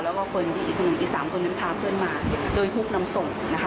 แล้วก็คนที่อีกหนึ่งอีกสามคนพาเพื่อนมาโดยฮุกนำส่ง